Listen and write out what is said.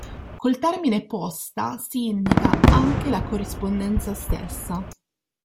Col termine posta si indica anche la corrispondenza stessa.